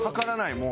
もう。